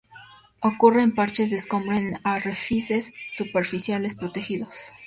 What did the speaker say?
Ocurre en parches de escombro en arrecifes superficiales protegidos.